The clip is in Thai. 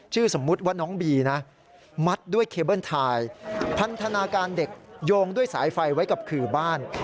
สมมุติว่าน้องบีนะมัดด้วยเคเบิ้ลไทยพันธนาการเด็กโยงด้วยสายไฟไว้กับขื่อบ้าน